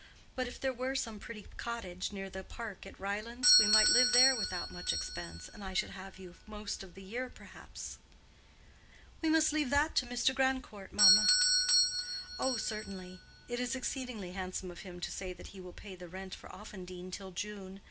But if there were some pretty cottage near the park at Ryelands we might live there without much expense, and I should have you most of the year, perhaps." "We must leave that to Mr. Grandcourt, mamma." "Oh, certainly. It is exceedingly handsome of him to say that he will pay the rent for Offendene till June.